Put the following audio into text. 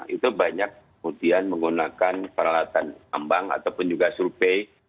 itu banyak kemudian menggunakan peralatan ambang ataupun juga surpay